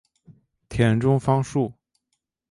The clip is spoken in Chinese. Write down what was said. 田中芳树。